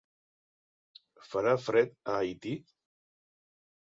Farà fred a Haití?